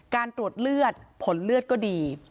การตรวจเลือดผลเลือดก็ดี